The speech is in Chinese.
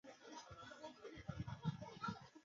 内政及王国关系部辅佐政务。